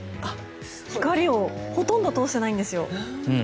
光をほとんど通してないです。